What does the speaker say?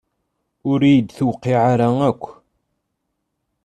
Ur iyi-d-tewqiɛ ara akk.